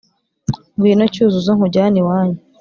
Ngwino Cyuzuzo nkujyane iwanyu